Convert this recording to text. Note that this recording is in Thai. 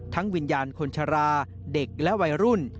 วิญญาณคนชราเด็กและวัยรุ่น